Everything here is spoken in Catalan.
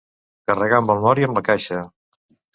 Carregar amb el mort i amb la caixa.